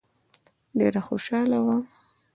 ډېره خوشاله وه.